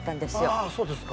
あそうですか。